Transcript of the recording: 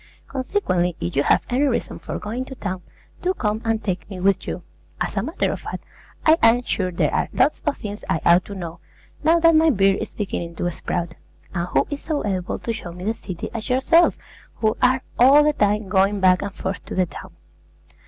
Consequently, if you have any reason for going to town, do come and take me with you. As a matter of fact, I am sure there are lots of things I ought to know, now that my beard is beginning to sprout; and who is so able to show me the city as yourself, who are all the time going back and forth to the town?